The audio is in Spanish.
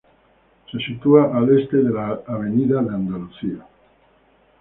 Se sitúa al este de la avenida de Andalucía.